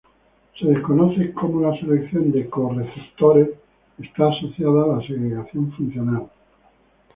Se desconoce cómo la selección de co-receptores está asociada a la segregación funcional.